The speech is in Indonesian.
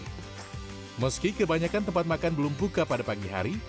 meski kebanyakan tempat makan belum buka pada pagi hari